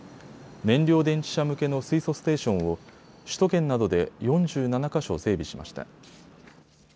燃料電池車向けの水素ステーションを首都圏などで４７か所整備しました。